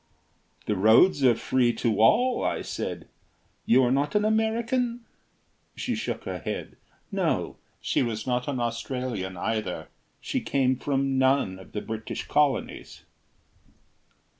"The roads are free to all," I said. "You are not an American?" She shook her head. No. She was not an Australian either, she came from none of the British colonies.